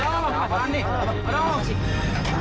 mas ada anggur mas